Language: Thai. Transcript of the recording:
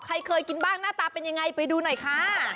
เคยกินบ้างหน้าตาเป็นยังไงไปดูหน่อยค่ะ